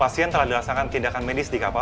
setelah bertahun tahun ya ma